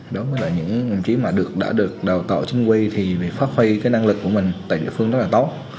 đó là những đồng chí mà đã được đào tạo chính quyền thì phát huy cái năng lực của mình tại địa phương rất là tốt